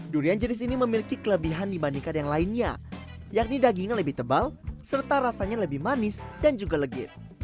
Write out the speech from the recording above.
durian jenis ini memiliki kelebihan dibandingkan yang lainnya yakni dagingnya lebih tebal serta rasanya lebih manis dan juga legit